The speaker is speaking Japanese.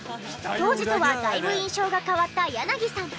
当時とはだいぶ印象が変わった柳さん。